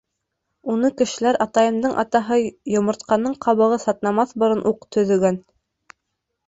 Уны кешеләр атайымдың атаһы йомортҡаның ҡабығы сатнамаҫ борон уҡ төҙөгән.